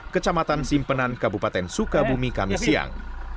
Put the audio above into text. kecamatan simpenan kabupaten sukabumi kami siang